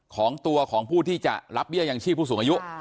ของตัวของผู้ที่จะรับเบี้ยยังชีพผู้สูงอายุ